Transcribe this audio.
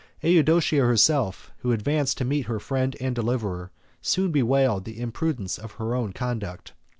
Eudoxia herself, who advanced to meet her friend and deliverer, soon bewailed the imprudence of her own conduct.